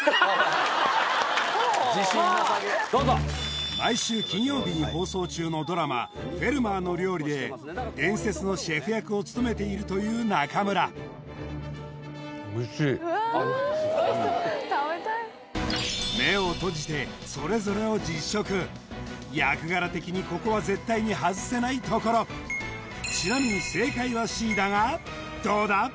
自信なさげどうぞ毎週金曜日に放送中のドラマ「フェルマーの料理」で伝説のシェフ役を務めているという仲村うわおいしそう食べたいうん役柄的にここは絶対に外せないところちなみにどうだ？